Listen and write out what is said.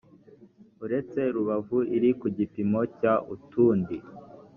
uretse rubavu iri ku gipimo cya utundi